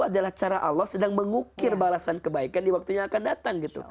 adalah cara allah sedang mengukir balasan kebaikan di waktu yang akan datang gitu